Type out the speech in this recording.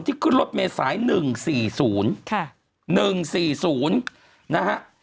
ขึ้นรถเมษาย๑๔๐๑๔๐นะฮะ